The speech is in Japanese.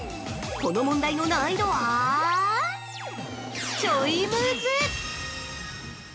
この問題の難易度はちょいムズ！